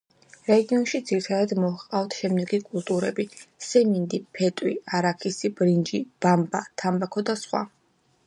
რეგიონში ძირითადად მოჰყავთ შემდეგი კულტურები სიმინდი, ფეტვი, არაქისი, ბრინჯი, ბამბა, თამბაქო და სხვა.